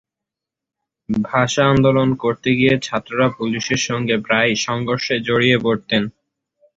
ভাষা আন্দোলন করতে গিয়ে ছাত্ররা পুলিশের সঙ্গে প্রায়ই সংঘর্ষে জড়িয়ে পড়তেন।